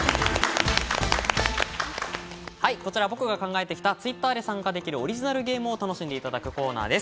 僕が考えてきたＴｗｉｔｔｅｒで参加できる、オリジナルゲームを楽しんでいただくコーナーです。